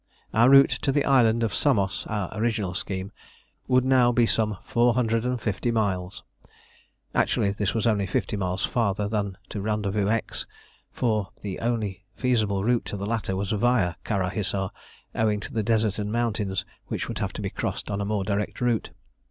Our route to the island of Samos our original scheme would now be some 450 miles. Actually this was only 50 miles farther than to Rendezvous X, for the only feasible route to the latter was viâ Kara Hissar, owing to the desert and mountains which would have to be crossed on a more direct route.